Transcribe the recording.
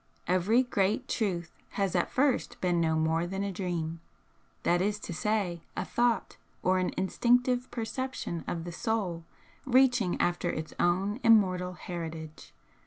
Every great truth has at first been no more than a dream, that is to say, a thought, or an instinctive perception of the Soul reaching after its own immortal heritage.